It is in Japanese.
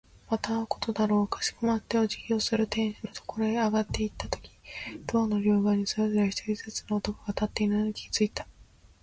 また会うことだろう。かしこまってお辞儀をする亭主のところへ上がっていったとき、ドアの両側にそれぞれ一人ずつの男が立っているのに気づいた。